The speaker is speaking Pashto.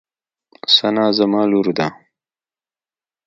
ثنا زما لور ده.